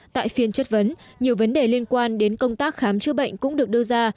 tại phiên chất vấn nhiều vấn đề liên quan đến công tác khám chữa bệnh cũng được đưa ra